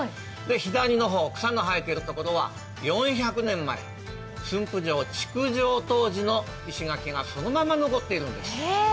左の方、草の生えているところは４００年前、駿府城築城当時の石垣がそのまま残ってるんです。